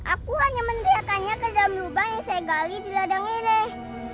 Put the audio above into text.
aku hanya mendiakannya ke dalam lubang yang saya gali di ladang ereh